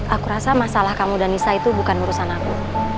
aku rasa masalah kamu dan nisa itu bukan urusan aku